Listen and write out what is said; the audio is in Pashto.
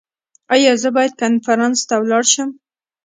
ایا زه باید کنفرانس ته لاړ شم؟